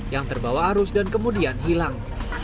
yang terbawa arus dan kemudian hilang